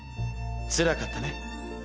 つらかったね。